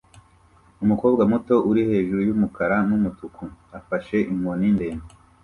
Umukobwa muto uri hejuru yumukara numutuku afashe inkoni ndende